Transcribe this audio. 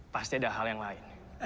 pasti ada hal yang lain